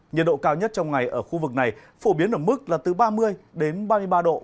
nhiệt độ cao nhất trong ngày ở khu vực này phổ biến ở mức là từ ba mươi đến ba mươi ba độ